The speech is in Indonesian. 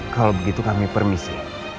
kalau begitu kami permisi